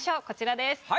こちらです。